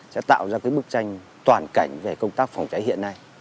sẽ tạo ra cái bức tranh toàn cảnh về công tác phòng cháy hiện nay